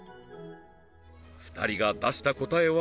２人が出した答えは？